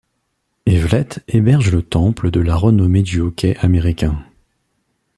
Eveleth héberge le Temple de la renommée du hockey américain.